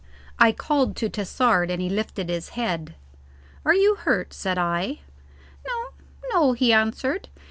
I called to Tassard and he lifted his head. "Are you hurt?" said I. "No, no," he answered.